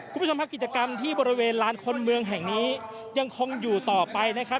คุณผู้ชมครับกิจกรรมที่บริเวณลานคนเมืองแห่งนี้ยังคงอยู่ต่อไปนะครับ